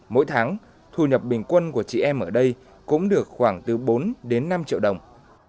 mỗi tháng thu nhập bình quân của chị em ở đây cũng được khoảng từ bốn đến năm triệu đồng